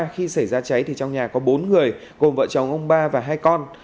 khi xảy ra cháy thì trong nhà có bốn người gồm vợ chồng ông ba và hai con